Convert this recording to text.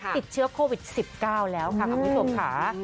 ติดเชื้อโควิดสิบเก้าแล้วค่ะคุณผู้หศาลค่ะ